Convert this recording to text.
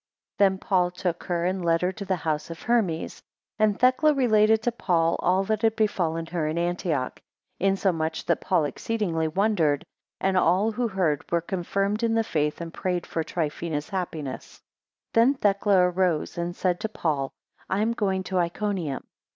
3 Then Paul took her, and led her to the house of Hermes; and Thecla related to Paul all that had befallen her in Antioch, insomuch that Paul exceedingly wondered, and all who heard were confirmed in the faith, and prayed for Trifina's happiness. 4 Then Thecla arose, and said to Paul, I am going to Iconium.